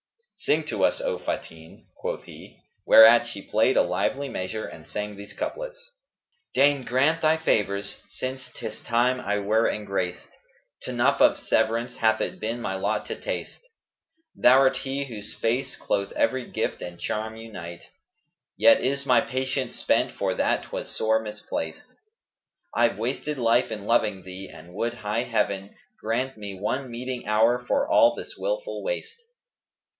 "Sing to us, O Fatin," quoth he; whereat she played a lively measure and sang these couplets, "Deign grant thy favours; since 'tis time I were engraced; * Tnough of severance hath it been my lot to taste. Thou'rt he whose face cloth every gift and charm unite, * Yet is my patience spent for that 'twas sore misplaced: I've wasted life in loving thee; and would high Heaven * Grant me one meeting hour for all this wilful waste."